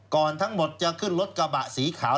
ทั้งหมดจะขึ้นรถกระบะสีขาว